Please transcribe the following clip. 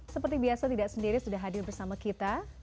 seperti biasa tidak sendiri sudah hadir bersama kita